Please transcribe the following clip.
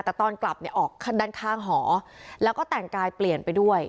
แต่ตอนกลับเนี่ยออกด้านข้างหอแล้วก็แต่งกายเปลี่ยนไปด้วย